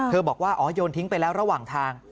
บอกว่าอ๋อโยนทิ้งไปแล้วระหว่างทาง